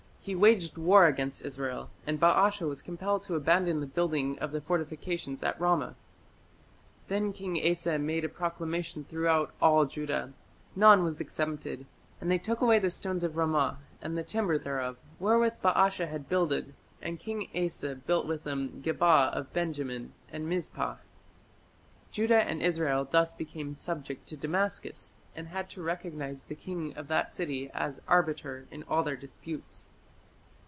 He waged war against Israel, and Baasha was compelled to abandon the building of the fortifications at Ramah. "Then king Asa made a proclamation throughout all Judah; none was exempted: and they took away the stones of Ramah, and the timber thereof, wherewith Baasha had builded; and king Asa built with them Geba of Benjamin, and Mizpah." Judah and Israel thus became subject to Damascus, and had to recognize the king of that city as arbiter in all their disputes.